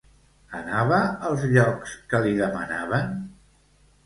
Anava als llocs que li demanaven?